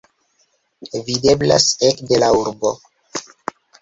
Videblas ekde la urbo.